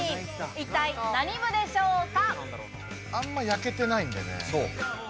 一体何部でしょうか？